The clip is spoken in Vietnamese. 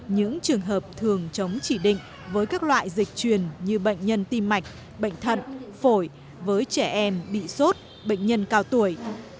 những trường hợp thường chống chỉ định với các loại dịch truyền như bệnh nhân tim mạch bệnh thận phổi với trẻ em bị sốt bệnh nhân cao tuổi